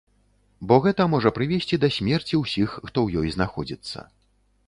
Бо гэта можа прывесці да смерці ўсіх, хто ў ёй знаходзіцца.